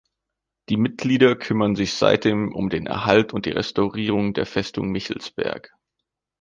Die Mitglieder kümmern sich seitdem um den Erhaltung und die Restaurierung der Festung Michelsberg.